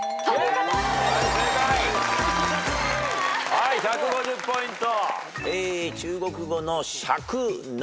はい１５０ポイント。